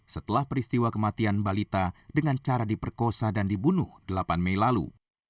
setelah peristiwa kematian balita dengan cara diperkosa dan dibunuh delapan mei lalu